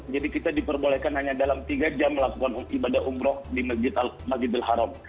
jadi kita diperbolehkan hanya dalam tiga jam melakukan ibadah umroh di masjid al haram